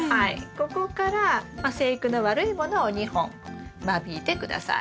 ここからまあ生育の悪いものを２本間引いて下さい。